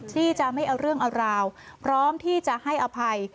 ที่จะไม่เอาเรื่องเอาราวพร้อมที่จะให้อภัย